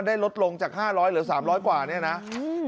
ได้ลดลงจากห้าร้อยเหลือสามร้อยกว่าเนี่ยนะอืม